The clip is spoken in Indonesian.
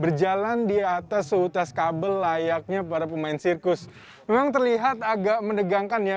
berjalan di atas suhu tas kabel layaknya para pemain sirkus memang terlihat agak mendegangkan ya